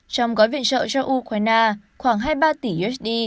trong gói viện trợ cho ukraine khoảng hai mươi ba tỷ usd